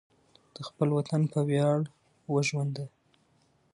د خپل وطن په ویاړ وژونده.